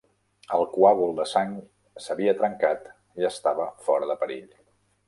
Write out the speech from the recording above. El coàgul de sang s'havia trencat i estava fora de perill.